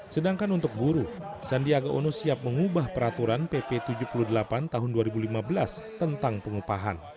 sedangkan untuk buruh sandiaga uno siap mengubah peraturan pp tujuh puluh delapan tahun dua ribu lima belas tentang pengupahan